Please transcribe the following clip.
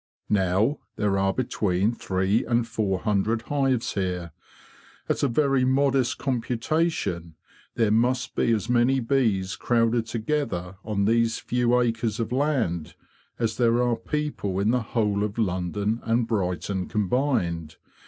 Now, there are between three and four hundred hives here. At a very modest computation, there must be as many bees crowded together on these few acres of land as there are people in the whole of London and Brighton com bined.